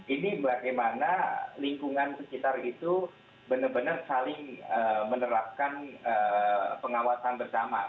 ini bagaimana lingkungan sekitar itu benar benar saling menerapkan pengawasan bersama